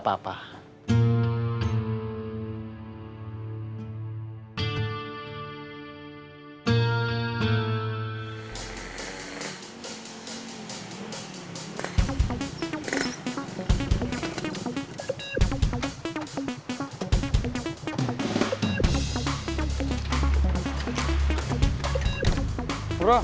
kayaknya tukang parkir juga noble